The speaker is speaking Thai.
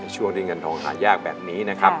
ช่วงที่เงินทองหายากแบบนี้นะครับ